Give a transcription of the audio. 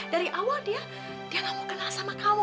dari awal dia dia gak mau kenal sama kamu